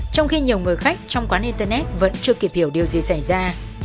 trong khi nhiều người khách trong quán internet vẫn chưa kịp hiểu điều gì xảy ra